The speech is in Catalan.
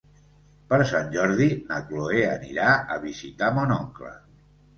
Per Sant Jordi na Chloé anirà a visitar mon oncle.